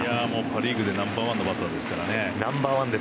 パ・リーグでナンバー１のバッターですからね。